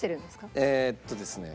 えーっとですね